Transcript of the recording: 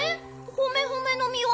ホメホメのみは？